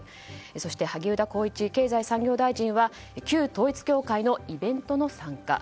そして萩生田光一経済産業大臣は旧統一教会のイベントの参加。